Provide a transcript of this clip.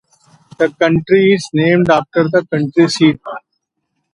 The county is named after the county seat.